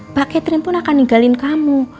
mbak catherine pun akan ninggalin kamu